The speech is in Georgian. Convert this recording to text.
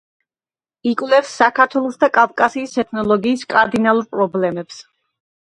იკვლევს საქართველოსა და კავკასიის ეთნოლოგიის კარდინალურ პრობლემებს.